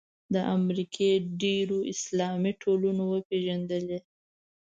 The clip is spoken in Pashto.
د امریکې ډېرو اسلامي ټولنو وپېژندلې.